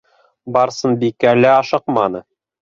Барсынбикә лә ашыҡманы.